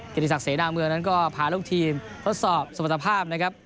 ติศักดิเสนาเมืองนั้นก็พาลูกทีมทดสอบสมรรถภาพนะครับ